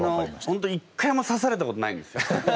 本当一回も指されたことないんですよ。